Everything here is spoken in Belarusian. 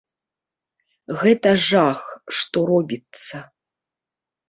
Гэта жах, што робіцца.